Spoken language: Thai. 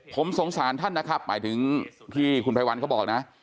ผมสงสารท่านนะครับหมายถึงที่คุณภัยวันเขาบอกนะ